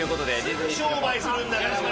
すぐ商売するんだから！